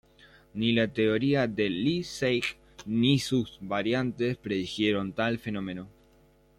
Ni la teoría de Le Sage ni sus variantes predijeron tal fenómeno.